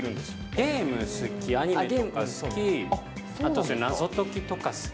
ゲーム好き、アニメとか好き、あと謎解きとか好き。